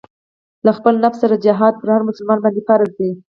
له خپل نفس سره جهاد پر هر مسلمان باندې فرض دی.